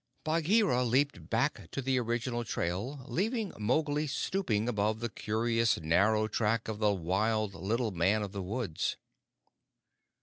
Bagheera leaped back to the original trail, leaving Mowgli stooping above the curious narrow track of the wild little man of the woods.